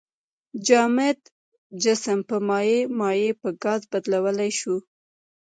جامد جسم په مایع، مایع په ګاز بدلولی شو.